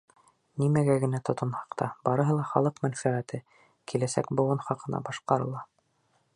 Нимәгә генә тотонһаҡ та, барыһы ла халыҡ мәнфәғәте, киләсәк быуын хаҡына башҡарыла.